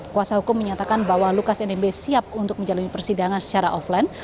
kuasa hukum menyatakan bahwa lukas nmb siap untuk menjalani persidangan secara offline